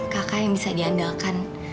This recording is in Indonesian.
kakak yang bisa diandalkan